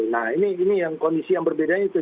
nah ini yang kondisi yang berbeda itu